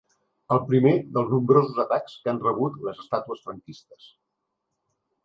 El primer dels nombrosos atacs que han rebut les estàtues franquistes.